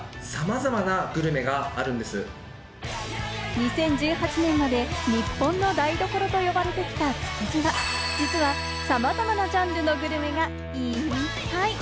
２０１８年まで日本の台所と呼ばれてきた築地は、実はさまざまなジャンルのグルメがいっぱい！